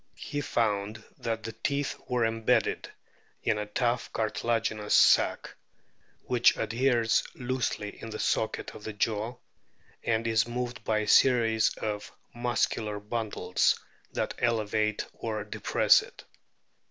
He found that the teeth were embedded "in a tough cartilaginous sac, which adheres loosely in the socket of the jaw, and is moved by a series of muscular bundles that elevate or depress it."